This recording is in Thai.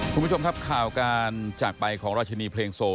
คุณผู้ชมครับข่าวการจากไปของราชินีเพลงโซ